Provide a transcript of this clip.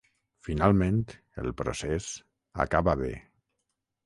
Finalment, el procés acaba bé.